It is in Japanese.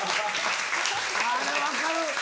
あれ分かる。